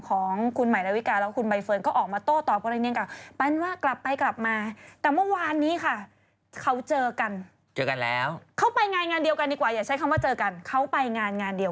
ข้อที่๓รูปร่างหน้าตามันเป็นชัดใดอ้าวปวดแล้วมันจะเป็นยังไง